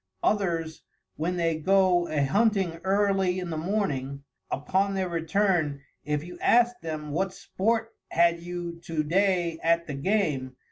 Others, when they go a Hunting early in the morning, upon their return, if you ask them what sport had you to day at the Game?